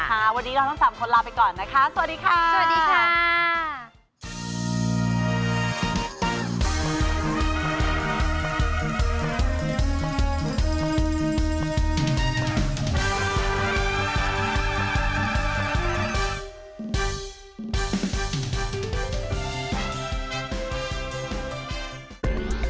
ค่ะวันนี้เราต้องสามคนลาไปก่อนนะคะ